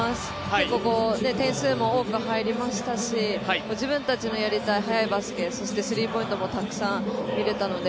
結構、点数も多く入りましたし自分たちのやりたい速いバスケ、そして、スリーポイントもたくさん見れたので。